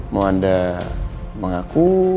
mau anda mengaku